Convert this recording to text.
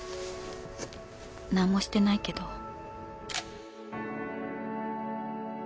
なんもしてないけど